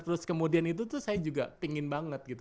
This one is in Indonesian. terus kemudian itu tuh saya juga pingin banget gitu